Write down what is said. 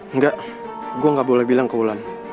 enggak gue gak boleh bilang ke wulan